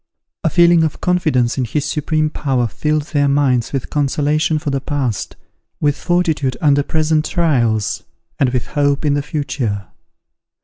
A feeling of confidence in his supreme power filled their minds with consolation for the past, with fortitude under present trials, and with hope in the future.